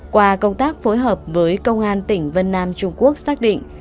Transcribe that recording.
qua công tác phối hợp với công an tỉnh vân nam trung quốc xác định